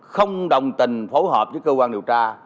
không đồng tình phối hợp với cơ quan điều tra